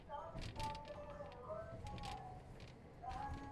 Sultani wa Uturuki aliyetawala nchi jirani ya Irak hadi vita kuu ya kwanza ya